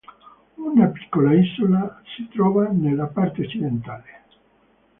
Una piccola isola si trova nella parte occidentale.